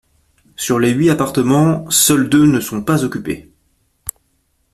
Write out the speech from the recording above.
Sur les huit appartements, seuls deux ne sont pas occupés.